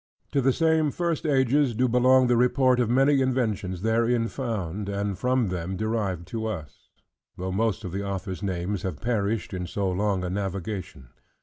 To the same first ages do belong the report of many inventions therein found, and from them derived to us; though most of the authors' names have perished in so long a navigation.